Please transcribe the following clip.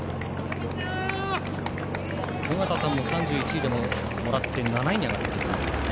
尾方さんも３１位でもらって７位に上がったことがありましたね。